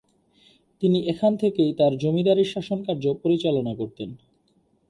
তিনি এখান থেকেই তার জমিদারীর শাসনকার্য পরিচালনা করতেন।